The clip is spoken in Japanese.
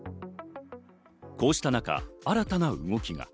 こうした中、新たな動きが。